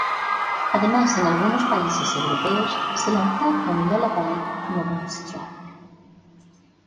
Además en algunos países europeos se lanzó con Lullaby como bonus track.